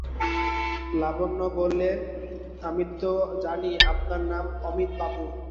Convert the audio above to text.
লাবণ্য বললে, আমি তো জানি আপনার নাম অমিতবাবু।